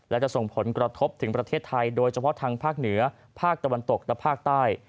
และจะส่งผลกระทบถึงประเทศไทยโดยเฉพาะทางภาคเหนือภาคตะวันตกและภาคใต้